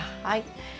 はい。